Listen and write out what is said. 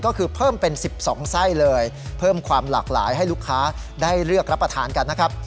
ก็คือเพิ่มเป็น๑๒ไส้เลยเพิ่มความหลากหลายให้ลูกค้าได้เลือกรับประทานกันนะครับ